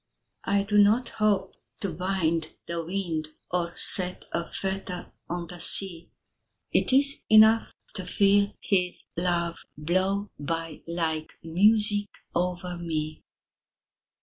I do not hope to bind the wind Or set a fetter on the sea It is enough to feel his love Blow by like music over me.